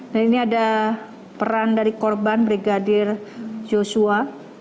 dan ini ada peran dari korban brigadir joshua